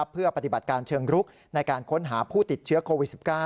เพื่อปฏิบัติการเชิงรุกในการค้นหาผู้ติดเชื้อโควิด๑๙